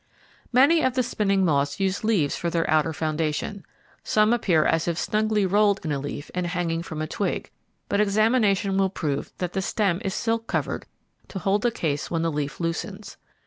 Many of the spinning moths use leaves for their outer foundation. Some appear as if snugly rolled in a leaf and hanging from a twig, but examination will prove that the stem is silk covered to hold the case when the leaf loosens.